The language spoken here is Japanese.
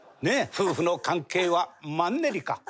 夫婦の関係はマンネリ化。